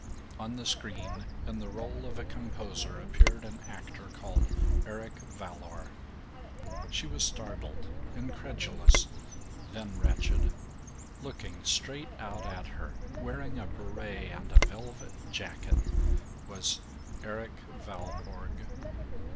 On the screen, in the role of a composer, appeared an actor called Eric Valour. She was startled, incredulous, then wretched. Looking straight out at her, wearing a beret and a velvet jacket, was Erik Valborg.